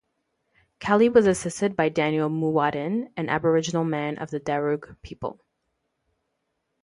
Caley was assisted by Daniel Moowattin an Aboriginal man of the Darug people.